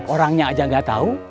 orangnya aja gak tahu